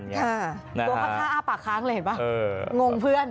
โปท่าก้าปากค้างเห็นป่ะงงเพื่อน